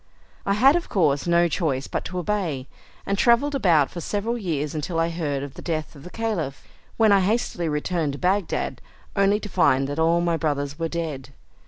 "I had of course no choice but to obey, and travelled about for several years until I heard of the death of the Caliph, when I hastily returned to Bagdad, only to find that all my brothers were dead.